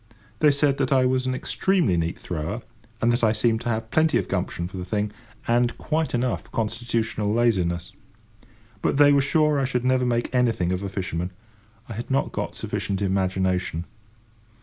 They said that I was an extremely neat thrower, and that I seemed to have plenty of gumption for the thing, and quite enough constitutional laziness. But they were sure I should never make anything of a fisherman. I had not got sufficient imagination.